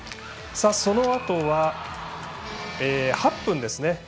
そのあとは、８分ですね。